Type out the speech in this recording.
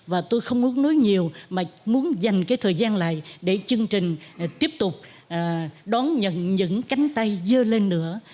và tôi không muốn nói nhiều mà muốn dành cái thời gian lại để chương trình tiếp tục đón nhận những cánh tay dơ lên nữa